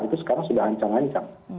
itu sekarang sudah ancang ancang